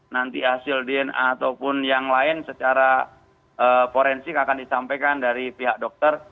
nanti hasil dna ataupun yang lain secara forensik akan disampaikan dari pihak dokter